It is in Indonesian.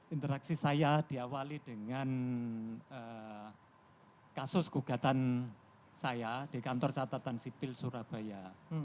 interaksi saya diawali dengan kasus gugatan saya di kantor catatan sipil surabaya